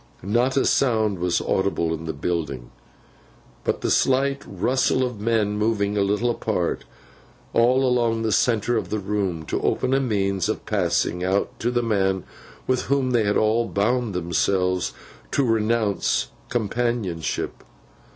Not a sound was audible in the building, but the slight rustle of men moving a little apart, all along the centre of the room, to open a means of passing out, to the man with whom they had all bound themselves to renounce companionship.